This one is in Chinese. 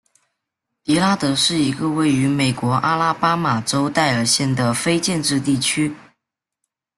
迪拉德是一个位于美国阿拉巴马州戴尔县的非建制地区。